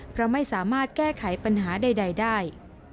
เพราะไม่สามารถแก้ไขปัญหาใดได้